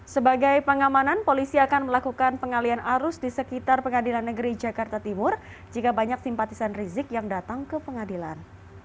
sebagai pengamanan polisi akan melakukan pengalian arus di sekitar pengadilan negeri jakarta timur jika banyak simpatisan rizik yang datang ke pengadilan